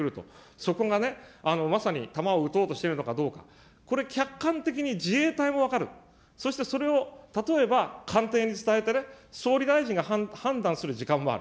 そこがね、まさに弾をうとうとしているのかどうか、これ、客観的に自衛隊も分かる、そしてそれを、例えば艦艇に伝えてね、総理大臣が判断する時間もある。